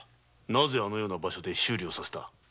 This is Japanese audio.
なぜあの場所で修理をさせた？